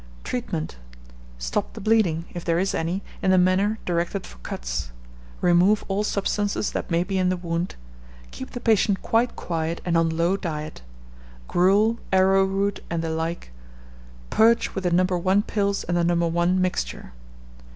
Treatment. Stop the bleeding, if there is any, in the manner directed for cuts; remove all substances that may be in the wound; keep the patient quite quiet, and on low diet gruel, arrowroot, and the like; purge with the No. 1 pills and the No. 1 mixture.